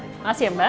terima kasih mbak